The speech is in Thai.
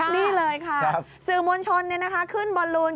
นี่เลยค่ะสื่อมวลชนขึ้นบอลลูน